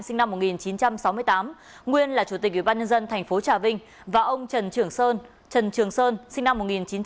sinh năm một nghìn chín trăm sáu mươi tám nguyên là chủ tịch ủy ban nhân dân tp trà vinh và ông trần trường sơn sinh năm một nghìn chín trăm bảy mươi sáu